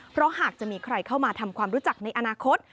เพราะหากจะมีใครเข้ามาทำความรู้จักในอนาคต